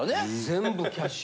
全部キャッシュ。